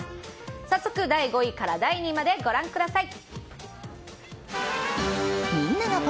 早速、第５位から第２位までご覧ください。